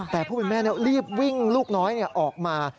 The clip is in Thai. แต่ผู้เป็นแม่รีบวิ่งลูกน้อยออกมา